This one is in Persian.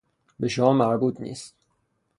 به شما مربوط نیست.